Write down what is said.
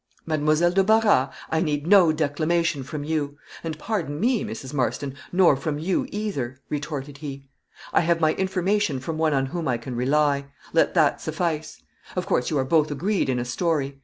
"Mademoiselle de Barras, I need no declamation from you; and, pardon me, Mrs. Marston, nor from you either," retorted he; "I have my information from one on whom I can rely; let that suffice. Of course you are both agreed in a story.